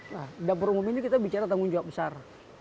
nah dapur umum ini kita bicara tanggung jawab besar